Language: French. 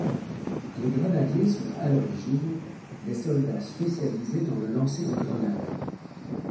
Les grenadiers sont à l'origine des soldats spécialisés dans le lancer de grenades.